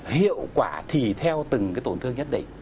hiệu quả thì theo từng cái tổn thương nhất định